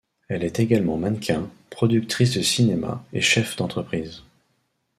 Elle est également mannequin, productrice de cinéma et chef d'entreprise.